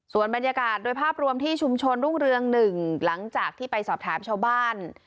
ส่วนบรรยากาศโดยภาพรวมที่ชุมชนรุ่งเรือง๑หลังจากที่ไปสอบถามชาวบ้าน